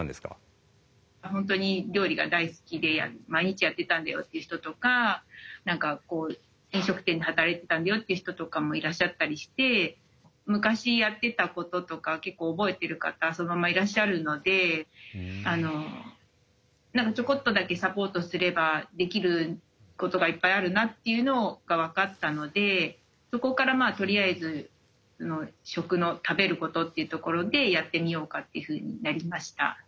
本当に料理が大好きで毎日やってたんだよっていう人とか何かこう飲食店で働いてたんだよっていう人とかもいらっしゃったりして昔やってたこととか結構覚えてる方そのままいらっしゃるので何かちょこっとだけサポートすればできることがいっぱいあるなっていうのが分かったのでそこからとりあえず食の食べることっていうところでやってみようかっていうふうになりました。